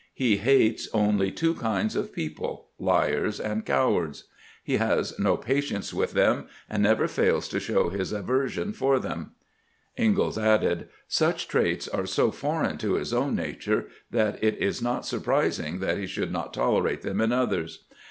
He hates only two kinds of people, liars and cowards. He has no patience with them, and never fails to show his aversion for them." Ingalls added :" Such traits are so foreign to his own nature that it is not sur prising that he should not tolerate them in others.